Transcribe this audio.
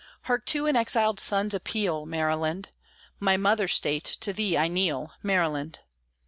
Hark to an exiled son's appeal, Maryland! My Mother State, to thee I kneel, Maryland!